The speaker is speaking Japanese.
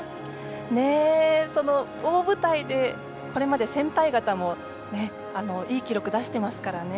その大舞台でこれまで先輩方も、いい記録を出していますからね。